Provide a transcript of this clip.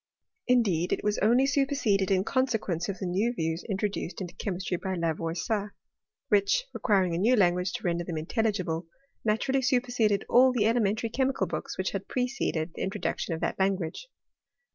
Indeed, it was only superseded in consequence of the new views introduced into che mistry by Lavoisier, which, requiring a new language to render them intelligible, naturally superseded adl the elementary chemical books which had preceded the introduction of that language.